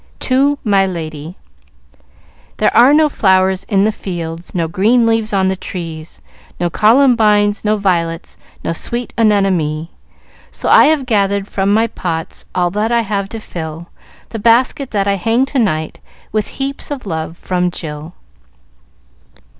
"TO MY LADY "There are no flowers in the fields, No green leaves on the tree, No columbines, no violets, No sweet anemone. So I have gathered from my pots All that I have to fill The basket that I hang to night, With heaps of love from Jill."